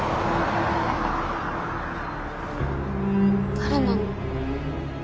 誰なの？